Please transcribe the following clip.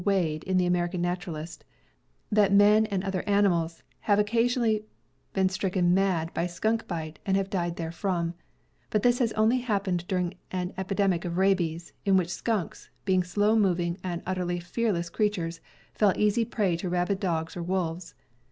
Wade in the American Naturalist, that men and other animals have occasionally been stricken mad by skunk bite and have died therefrom; but this has only happened during an epidemic of rabies, in which skunks, being slow moving and utterly fearless creatures, fell easy prey to rabid dogs or wolves.